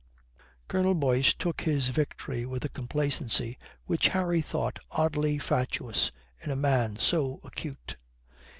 Colonel Boyce took his victory with a complacency which Harry thought oddly fatuous in a man so acute.